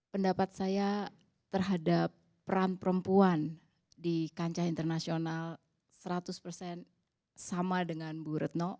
pendapat saya terhadap peran perempuan di kancah internasional seratus persen sama dengan bu retno